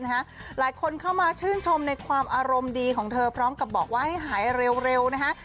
หลายคนเข้ามาชื่นชมในความอารมณ์ดีของเธอพร้อมกับบอกว่าให้หายเร็วนะฮะ